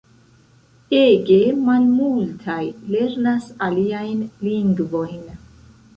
Ege malmultaj lernas aliajn lingvojn.